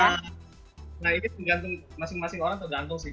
nah ini tergantung masing masing orang tergantung sih